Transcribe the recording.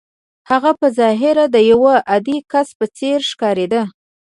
هغه په ظاهره د يوه عادي کس په څېر ښکارېده.